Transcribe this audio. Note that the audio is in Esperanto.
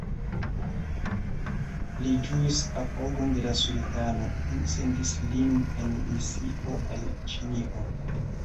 Li ĝuis apogon de la sultano, kiu sendis lin en misio al Ĉinio.